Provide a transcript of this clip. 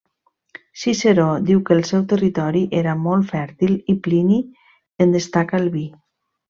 Ciceró diu que el seu territori era molt fèrtil i Plini en destaca el vi.